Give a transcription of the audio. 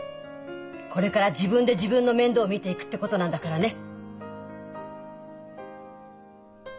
これから自分で自分の面倒を見ていくってことなんだからね。